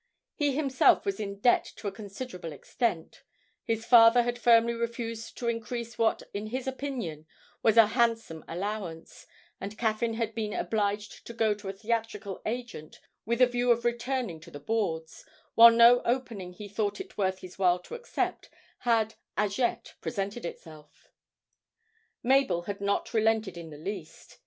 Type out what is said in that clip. He himself was in debt to a considerable extent; his father had firmly refused to increase what in his opinion was a handsome allowance; and Caffyn had been obliged to go to a theatrical agent with a view of returning to the boards, while no opening he thought it worth his while to accept had as yet presented itself. Mabel had not relented in the least.